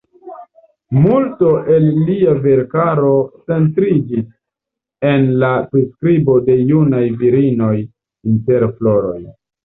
Multo el lia verkaro centriĝis en la priskribo de junaj virinoj inter floroj.